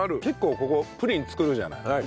結構ここプリン作るじゃない？